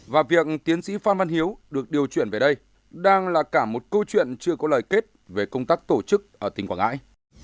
và việc tiến sĩ phan văn hiếu được điều chuyển về đây đang là cả một câu chuyện chưa có lời kết về công tác tổ chức ở tỉnh quảng ngãi